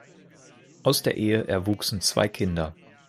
Aus der Ehe erwuchsen zwei Kinder.